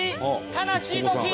悲しいときー！